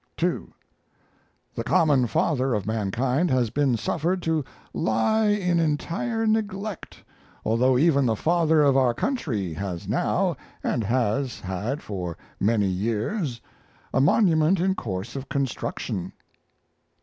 2. The common father of mankind has been suffered to lie in entire neglect, although even the Father of our Country has now, and has had for many years, a monument in course of construction.